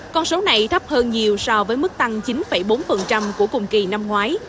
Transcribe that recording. con số này thấp hơn nhiều so với mức tăng chín bốn của cùng kỳ năm ngoái